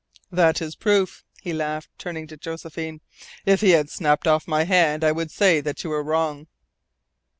"That is proof," he laughed, turning to Josephine. "If he had snapped off my hand I would say that you were wrong."